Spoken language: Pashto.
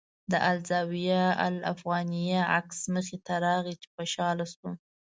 د الزاویة الافغانیه عکس مخې ته راغی چې خوشاله شوم.